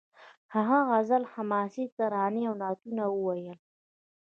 هغه غزل حماسي ترانې او نعتونه وویل